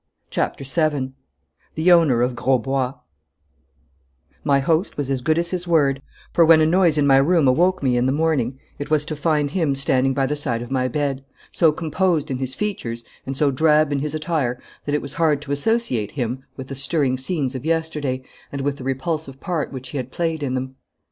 CHAPTER VII THE OWNER OF GROSBOIS My host was as good as his word, for, when a noise in my room awoke me in the morning, it was to find him standing by the side of my bed, so composed in his features and so drab in his attire, that it was hard to associate him with the stirring scenes of yesterday and with the repulsive part which he had played in them.